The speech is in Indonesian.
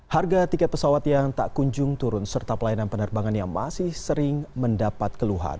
harga tiket pesawat yang tak kunjung turun serta pelayanan penerbangan yang masih sering mendapat keluhan